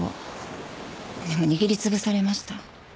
でも握り潰されました。